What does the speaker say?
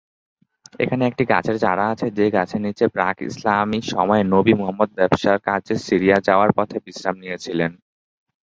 এখানে একটি গাছের চারা আছে যে গাছের নিচে প্রাক ইসলামী সময়ে নবী মুহাম্মদ ব্যবসার কাজে সিরিয়া যাওয়ার পথে বিশ্রাম নিয়েছিলেন।